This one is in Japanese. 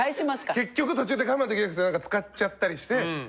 結局途中で我慢できなくて使っちゃったりして。